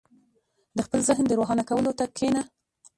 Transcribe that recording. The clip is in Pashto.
• د خپل ذهن د روښانه کولو ته کښېنه.